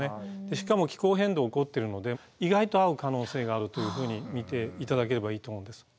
しかも気候変動起こってるので意外と遭う可能性があるというふうに見て頂ければいいと思うんです。